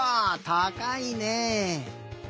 たかいね。